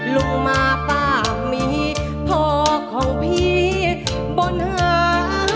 ลุงมาป้ามีพ่อของพี่บนหา